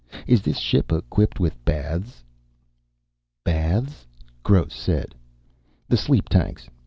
Is this ship equipped with baths?" "Baths?" Gross said. "The sleep tanks.